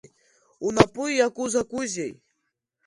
Унапы иаку закәызеи?